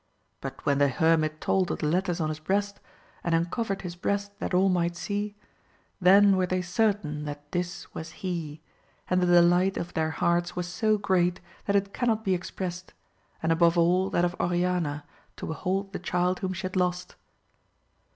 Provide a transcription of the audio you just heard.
But when the hermit told of the letters on his breast, and uncovered his breast that all might see, then were they certain that this was he, and the delight of their hearts was so great that it cannot be expressed, and above all that of Oriana to behold the child whom she had lost.